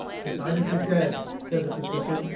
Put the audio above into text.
"His Highness is dead," said the physician.